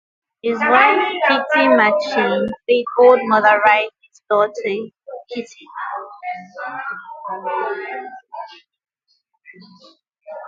His wife Kitty McShane played Old Mother Riley's daughter, Kitty.